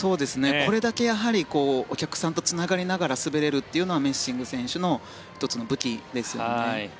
これだけ、お客さんとつながりながら滑れるというのはメッシング選手の１つの武器です。